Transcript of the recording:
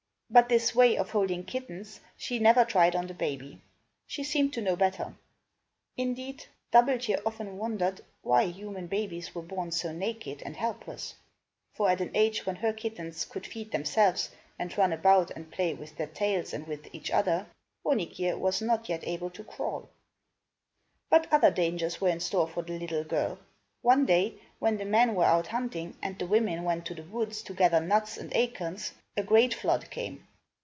But this way, of holding kittens, she never tried on the baby. She seemed to know better. Indeed, Dub belt je' often wondered why human babies were born so naked and helpless; for at an age when her kittens could feed themselves and run about and play with their tails and with each other, Honig je' was not yet able to crawl. But other dangers were in store for the little girl. One day, when the men were out hunting, and the women went to the woods to gather nuts and acorns, a great flood came.